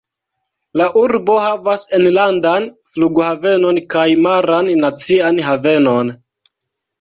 La urbo havas enlandan flughavenon kaj maran nacian havenon.